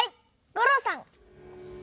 吾郎さん。